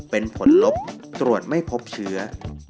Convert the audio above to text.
เป็นผลลบตรวจไม่พบเชื้อ